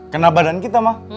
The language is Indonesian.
kena badan kita mah